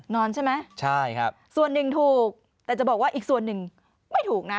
นอนใช่ไหมใช่ครับส่วนหนึ่งถูกแต่จะบอกว่าอีกส่วนหนึ่งไม่ถูกนะ